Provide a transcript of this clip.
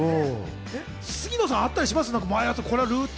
杉野さんあったりします？